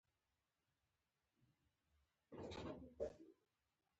په دې وخت کې ته راغلې او موټر دې لا پوره نه و ولاړ.